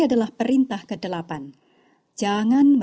yang jelas memang tidak merampok bank atau mengambil sesuatu yang bukan milik anda